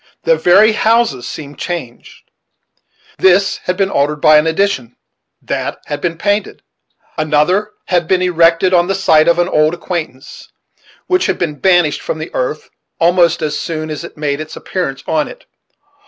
The very houses seemed changed. This had been altered by an addition; that had been painted; another had been erected on the site of an old acquaintance, which had been banished from the earth almost as soon as it made its appearance on it.